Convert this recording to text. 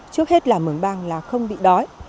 trước hết là mưởng bang là không bị đói